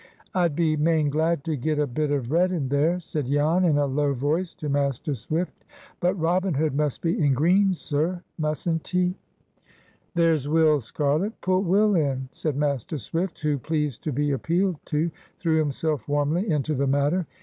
"I'd be main glad to get a bit of red in there," said Jan, in a low voice, to Master Swift; "but Robin Hood must be in green, sir, mustn't he?" "There's Will Scarlet. Put Will in," said Master Swift, who, pleased to be appealed to, threw himself warmly into the matter.